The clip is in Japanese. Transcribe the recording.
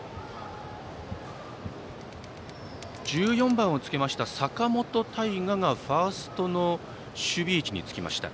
１４番をつけた坂本大河がファーストの守備位置につきました。